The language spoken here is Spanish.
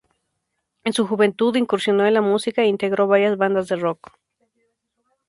En su juventud, incursionó en la música e integró varias bandas de "rock".